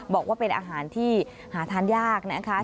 บอกว่าเป็นอาหารที่หาทานยากนะคะ